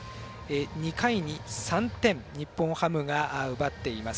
２回に３点日本ハムが奪っています。